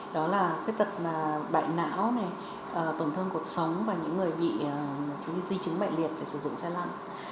đó là khuyết tật bại não này tổn thương cuộc sống và những người bị di chứng bại liệt phải sử dụng xe lăn